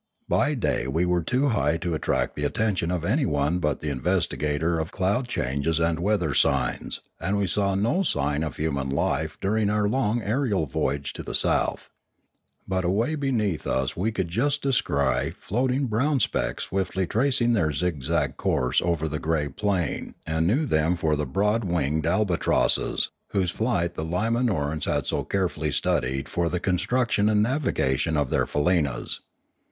By day we were too high to attract the attention of anyone but the investigator of cloud changes and weather signs, and we saw no sign of human life during our long aerial voyage to the south. But away beneath us we could just descry floating brown specks swiftly trac ing their zigzag course over the grey plain and knew them for the broad winged albatrosses, whose flight the Limanorans had so carefully studied for the construe A Warning 639 tion and navigation of their faleenas.